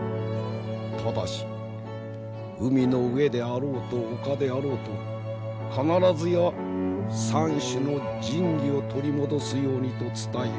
ただし海の上であろうと陸であろうと必ずや三種の神器を取り戻すようにと伝えよ。